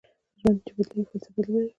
ژوند چې بدلېږي فلسفه بدلوي